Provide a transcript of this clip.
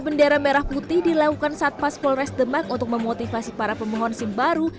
bendera merah putih dilakukan satpas polres the mark untuk memotivasi para pemohon simc baru